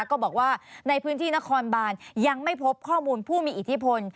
ก็บอกว่าในพื้นที่นครบานยังไม่พบข้อมูลผู้มีอิทธิพล